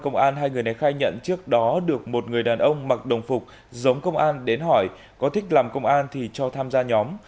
người này khai nhận trước đó được một người đàn ông mặc đồng phục giống công an đến hỏi có thích làm công an thì cho tham gia nhóm